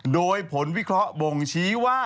โดยผลวิเคราะห์บ่งชี้ว่า